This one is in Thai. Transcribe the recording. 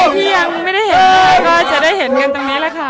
ที่ยังไม่ได้เห็นก็จะได้เห็นกันตรงนี้แหละค่ะ